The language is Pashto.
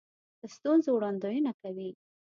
د ستونزو وړاندوینه کوي.